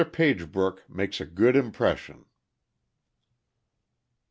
Pagebrook makes a Good Impression.